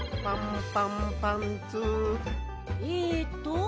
えっと